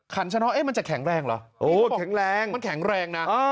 ขันฉะน็อมันจะแข็งแรงเหรอมันแข็งแรงนะ